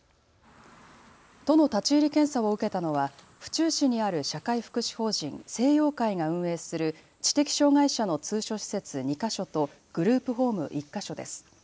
都の立ち入り検査を受けたのは府中市にある社会福祉法人清陽会が運営する知的障害者の通所施設２か所とグループホーム１か所です。